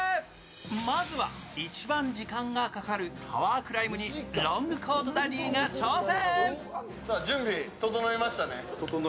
まずは一番時間がかかるタワークライムにロングコートダディが挑戦。